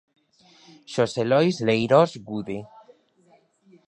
Xosé Lois Leirós Gude.